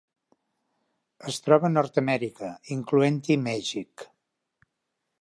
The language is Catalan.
Es troba a Nord-amèrica, incloent-hi Mèxic.